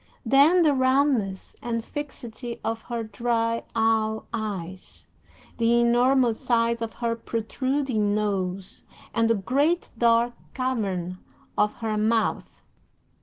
Then, the roundness and fixity of her dry, owl eyes, the enormous size of her protruding nose, and the great dark cavern of her mouth.